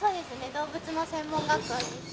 動物の専門学校です。